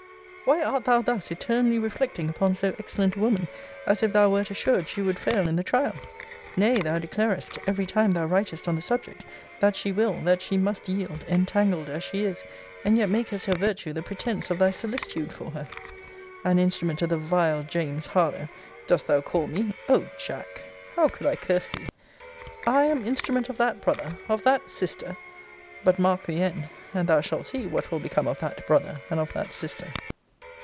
Why art thou thus eternally reflecting upon so excellent a woman, as if thou wert assured she would fail in the trial? Nay, thou declarest, every time thou writest on the subject, that she will, that she must yield, entangled as she is: and yet makest her virtue the pretence of thy solicitude for her. An instrument of the vile James Harlowe, dost thou call me? O Jack! how could I curse thee! I am instrument of that brother! of that sister! But mark the end and thou shalt see what will become of that brother, and of that sister!